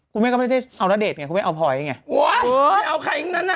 คุณแม่ก็ไม่ได้เอาณเดชนไงคุณแม่เอาพลอยไงโอ้ยไม่เอาใครทั้งนั้นน่ะ